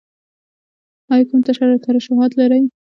ایا کوم ترشحات لرئ؟